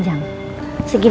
jangan lupa subscribe kan